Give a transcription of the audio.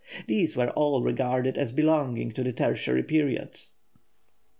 These were all regarded as belonging to the Tertiary period.